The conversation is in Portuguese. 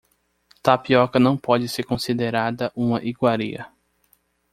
Tapioca não pode ser considerada uma iguaria.